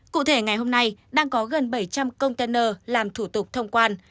cụ thể ngày hôm nay đang có gần bảy trăm linh container làm thủ tục thông quan